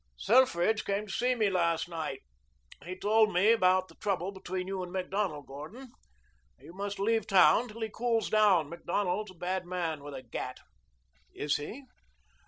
"Selfridge came to see me last night. He told me about the trouble between you and Macdonald, Gordon. You must leave town till he cools down. Macdonald is a bad man with a gat." "Is he?"